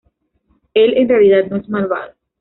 Él en realidad no es malvado.